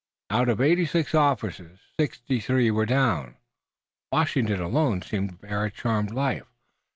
Out of eighty six officers sixty three were down. Washington alone seemed to bear a charmed life.